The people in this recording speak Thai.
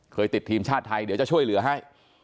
ติดทีมชาติไทยเดี๋ยวจะช่วยเหลือให้